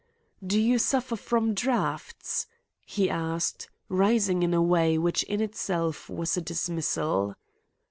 "Do you suffer so from drafts?" he asked, rising in a way which in itself was a dismissal.